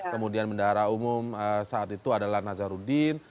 kemudian bendara umum saat itu adalah nazarudin